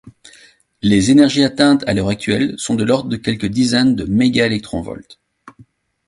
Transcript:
Les énergies atteintes à l’heure actuelle sont de l’ordre de quelques dizaines de MeV.